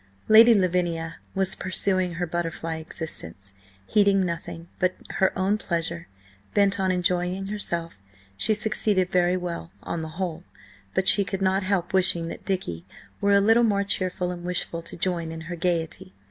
Lady Lavinia was pursuing her butterfly existence, heeding nothing but her own pleasure, bent on enjoying herself. She succeeded very well, on the whole, but she could not help wishing that Dicky were a little more cheerful and wishful to join in her gaiety.